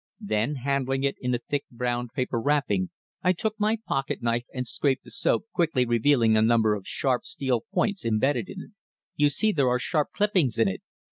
Then, handling it in the thick brown paper wrapping, I took my pocket knife and scraped the soap, quickly revealing a number of sharp steel points imbedded in it. "You see there are sharp clippings in it!